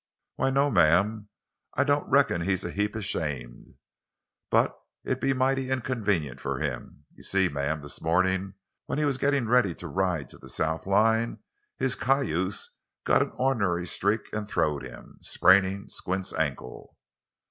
"Why, no, ma'am; I don't reckon he's a heap ashamed. But it'd be mighty inconvenient for him. You see, ma'am, this mornin', when he was gittin' ready to ride to the south line, his cayuse got an ornery streak an' throwed him, sprainin' Squint's ankle."